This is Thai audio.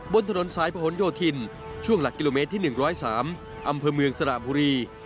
บนถนนสายผนโยธินช่วงหลักกิโลเมตรที่๑๐๓อำเภอเมืองสระบุรี